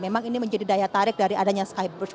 memang ini menjadi daya tarik dari adanya skybridge